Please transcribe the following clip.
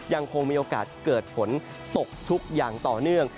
ยังคงมีโอกาสเกิดฝนตกชุกอย่างต่อเนื่อง